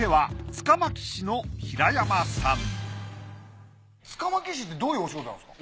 柄巻師ってどういうお仕事なんですか？